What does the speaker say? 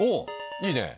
いいねえ。